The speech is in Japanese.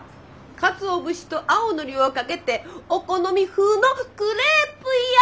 かつお節と青のりをかけてお好み風のクレープや。